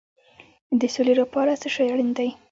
د سولې لپاره څه شی اړین دی؟